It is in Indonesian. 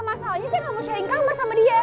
masalahnya saya gak mau sharing kamar sama dia